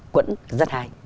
quẫn rất hay